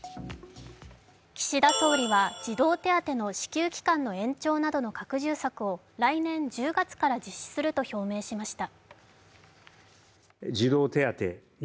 岸田総理は児童手当の支給期間の延長などの拡充策を来年１０月から実施すると表明しました。